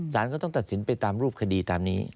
สารก็ต้องตัดสินไปตามรูปคดีตามนี้